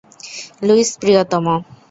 Luis, প্রিয়তম।